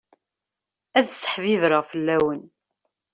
Ad seḥbibreɣ fell-awen.